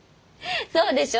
そうでしょ？